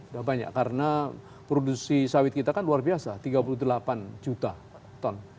sudah banyak karena produksi sawit kita kan luar biasa tiga puluh delapan juta ton